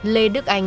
lê đức anh